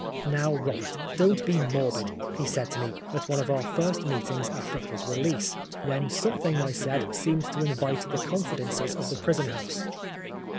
" Now, Robert, don't be morbid," he said to me, at one of our first meetings after his release, when something I said seemed to invite the confidences of the prison house.